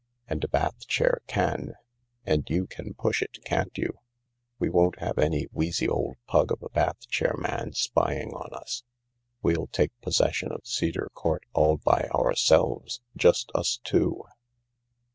And a bath chair can. And you can push it, can't you ? We won't have any wheezy old pug of a bath chair man spying on us. We'll take possession of Cedar Court all by ourselves— just us two."